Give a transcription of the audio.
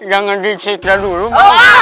jangan disegar dulu mak